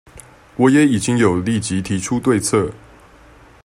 我也已經有立即提出對策